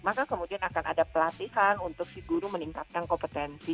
maka kemudian akan ada pelatihan untuk si guru meningkatkan kompetensi